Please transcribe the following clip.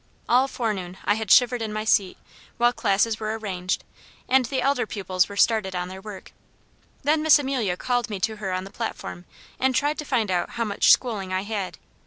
All forenoon I had shivered in my seat, while classes were arranged, and the elder pupils were started on their work; then Miss Amelia called me to her on the platform and tried to find out how much schooling I had.